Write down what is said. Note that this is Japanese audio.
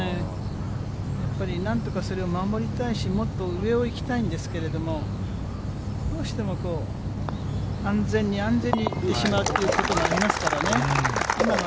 やっぱりなんとかそれを守りたいし、もっと上をいきたいんですけれども、どうしてもこう、安全に安全にいってしまうということもありますからね。